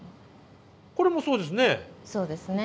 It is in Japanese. これもそうですね。